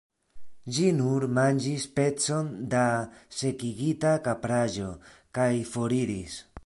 Ĝi nur manĝis pecon da sekigita kapraĵo, kaj foriris.